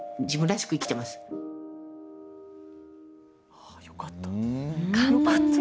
あっよかった。